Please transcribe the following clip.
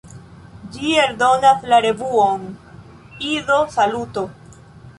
Ĝi eldonas la revuon "Ido-Saluto!